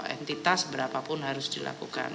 entitas berapapun harus dilakukan